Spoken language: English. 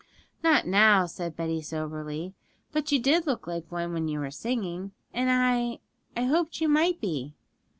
'Not now,' said Betty soberly; 'but you did look like one when you were singing, and I I hoped you might be.'